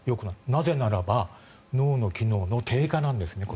なぜならば脳の機能の低下なんですね。